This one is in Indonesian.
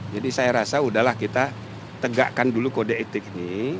jadi saya rasa udahlah kita tegakkan dulu kode etik ini